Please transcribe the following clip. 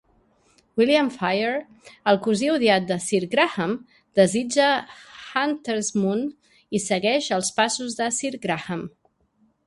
William Fayre, el cosí odiat de Sir Graham, desitja Huntersmoon i segueix els passos de Sir Graham.